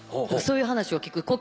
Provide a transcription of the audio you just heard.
そういう話を聞く